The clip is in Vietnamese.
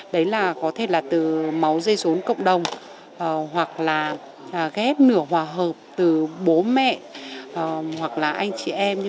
đấy là có thể là từ máu dây xuống cộng đồng hoặc là ghép nửa hòa hợp từ bố mẹ hoặc là anh chị em